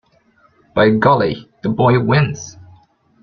By golly, the boy wins.